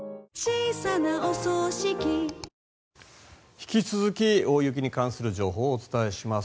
引き続き大雪に関する情報をお伝えします。